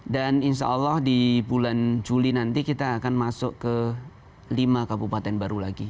dan insya allah di bulan juli nanti kita akan masuk ke lima kabupaten baru lagi